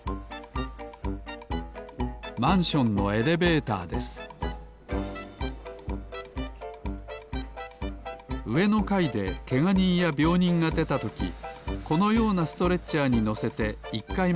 マンションのエレベーターですうえのかいでけがにんやびょうにんがでたときこのようなストレッチャーにのせて１かいまではこびます